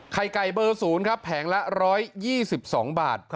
ขายไก่เบอร์๐พังละ๑๒๒บาท